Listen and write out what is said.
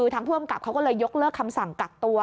ทางผู้อำกับเขาก็เลยยกเลิกคำสั่งกักตัว